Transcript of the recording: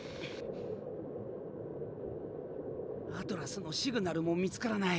アトラスのシグナルも見つからない。